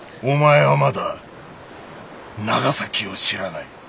お前はまだ長崎を知らない。